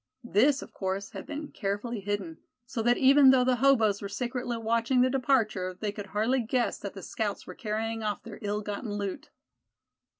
This, of course, had been carefully hidden, so that even though the hoboes were secretly watching their departure, they could hardly guess that the scouts were carrying off their ill gotten loot.